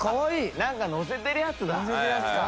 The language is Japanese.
なんかのせてるやつだ。